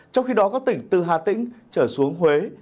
trong khi đó các tỉnh từ hà tĩnh trở xuống huế